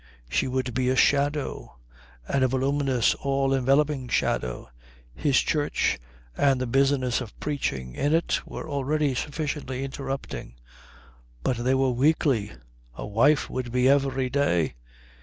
She would be a shadow; and a voluminous, all enveloping shadow. His church and the business of preaching in it were already sufficiently interrupting, but they were weekly. A wife would be every day.